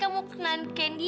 kami akhirnya sampai too